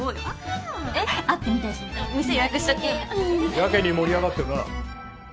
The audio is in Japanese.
やけに盛り上がってるな。